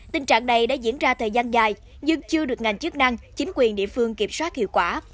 tình trạng này đã diễn ra thời gian dài nhưng chưa được ngành chức năng chính quyền địa phương kiểm soát hiệu quả